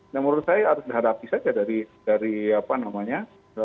nah menurut saya harus dihadapi saja dari apa namanya